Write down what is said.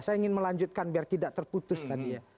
saya ingin melanjutkan biar tidak terputus tadi ya